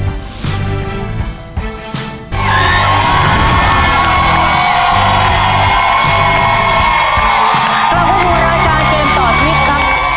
สวัสดีครับครับคุณผู้รายการเกมต่อชีวิตครับ